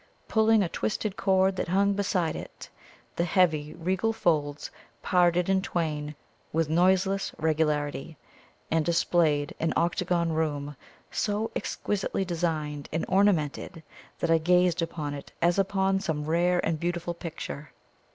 Pulling a twisted cord that hung beside it, the heavy, regal folds parted in twain with noiseless regularity, and displayed an octagon room, so exquisitely designed and ornamented that I gazed upon it as upon some rare and beautiful picture.